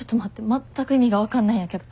全く意味が分かんないんやけど。